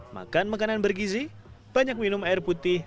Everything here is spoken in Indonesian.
makan makanan bergizi banyak minum air putih